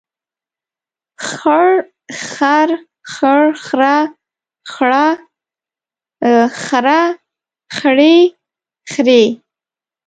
خړ خر، خړ خره، خړه خره، خړې خرې.